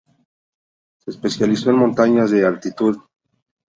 Se especializó en montañas de altitud.